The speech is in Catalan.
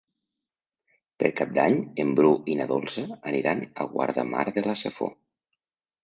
Per Cap d'Any en Bru i na Dolça aniran a Guardamar de la Safor.